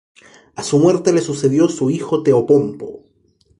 A su muerte le sucedió su hijo Teopompo.